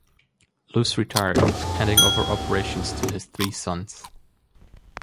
Luce retired, handing over operations to his three sons.